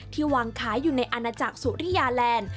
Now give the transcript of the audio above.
วางขายอยู่ในอาณาจักรสุริยาแลนด์